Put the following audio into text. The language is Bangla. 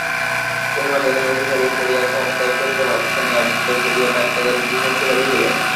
উমা বেনারসি শাড়ি পরিয়া ঘোমটায় ক্ষুদ্র মুখখানি আবৃত করিয়া কাঁদিতে কাঁদিতে শ্বশুরবাড়ি গেল।